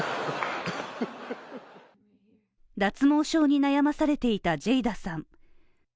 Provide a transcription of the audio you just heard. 脱毛症に悩まされていたジェイダさん。